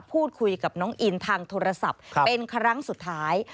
พูดคุยกับน้องอินทางโทรศัพท์เป็นครั้งสุดท้าย